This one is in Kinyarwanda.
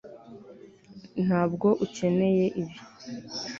ntabwo ukeneye ibi